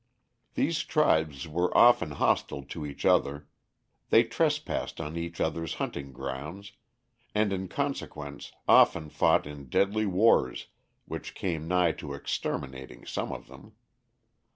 These tribes were often hostile to each other; they trespassed on each other's hunting grounds, and in consequence, often fought in deadly wars which came nigh to exterminating some of them.